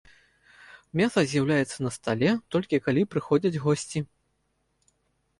Мяса з'яўляецца на стале, толькі калі прыходзяць госці.